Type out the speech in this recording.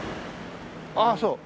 ああそう。